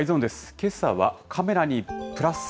けさはカメラにプラス！